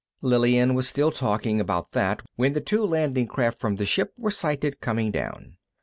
Lillian was still talking about that when the two landing craft from the ship were sighted, coming down.